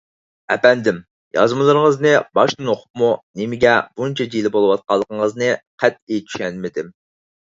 ئەپەندىم، يازمىلىرىڭىزنى باشتىن ئوقۇپمۇ نېمىگە بۇنچە جىلە بولۇۋاتقانلىقىڭىزنى قەتئىي چۈشەنمىدىم.